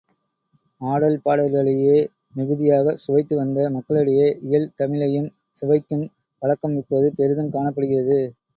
ஆடல் பாடல்களையே மிகுதியாகச் சுவைத்து வந்த மக்களிடையே, இயல் தமிழையும் சுவைக்கும் பழக்கம் இப்போது பெரிதும் காணப்படுகிறது.